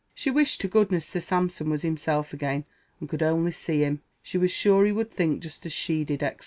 She wished to goodness Sir Sampson was himself again, and could only see him; she was sure he would think just as she did, etc.